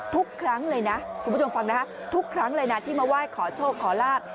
ทุกครั้งเลยนะคุณผู้ชมฟังนะฮะทุกครั้งเลยนะที่มาไหว้ขอโชคขอลาบ